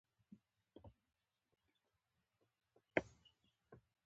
ډيپلوماسي د اقتصادي ودې لپاره کار کوي.